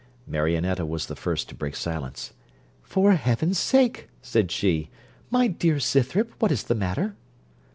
Marionetta was the first to break silence. 'For heaven's sake,' said she, 'my dear Scythrop, what is the matter?'